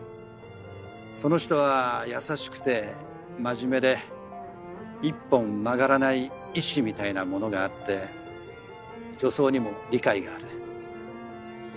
その人は優しくて真面目で一本曲がらない意志みたいなものがあって女装にも理解がある。